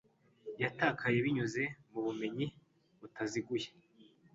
yatakaye binyuze mu bumenyi butaziguye